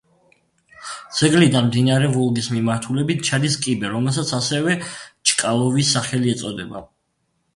ძეგლიდან მდინარე ვოლგის მიმართულებით ჩადის კიბე, რომელსაც ასევე ჩკალოვის სახელი ეწოდება.